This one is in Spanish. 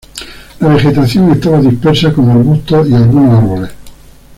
La vegetación está dispersa con arbustos y algunos árboles.